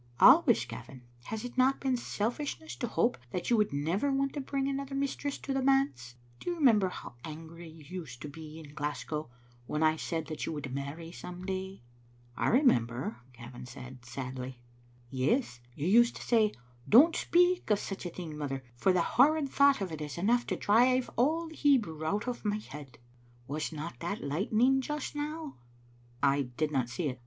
•* Always, Gavin. Has it not been selfishness to hope that you would never want to bring another mistress to the manse? Do you remember how angry you used to be in Glasgow when I said that you would marry some day?" "I remember," Gavin said, sadly. "Yes; you used to say,* Don't speak of such a thing, mother, for the horrid thought of it is enough to drive all the Hebrew out of my head. ' Was not that light ning just now?" " I did not see it.